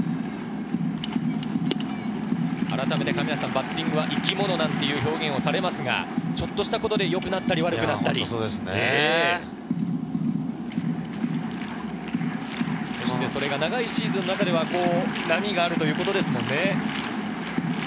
バッティングは生き物だという表現をされますが、ちょっとしたことで良くなったり悪くなったり、それが長いシーズンの中では波があるということですものね。